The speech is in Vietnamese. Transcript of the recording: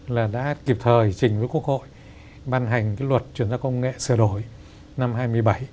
là đã kịp thời chỉnh với quốc hội ban hành cái luật chuyển giao công nghệ sửa đổi năm hai mươi bảy